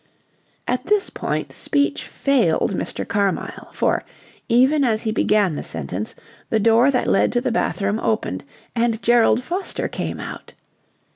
At this point speech failed Mr. Carmyle, for, even as he began the sentence, the door that led to the bathroom opened and Gerald Foster came out.